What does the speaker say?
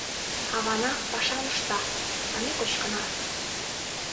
— Авана пашам ышта, а ме кочкына.